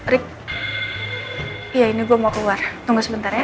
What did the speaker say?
rik ya ini gue mau keluar tunggu sebentar ya